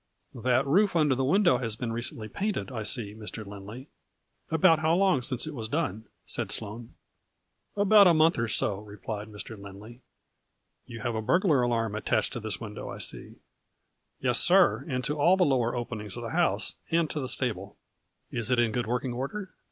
" That roof under the window has been re cently painted, I see, Mr. Lindley. About how long since it was done ?" said Sloane. " About a month or so," replied Mr. Lindley. " You have a burglar alarm attached to this window, I see. '" Yes, sir, and to all the lower openings of the house, and to the stable." A FLURRY IN DIAMONDS. 51 " Is it in good working order?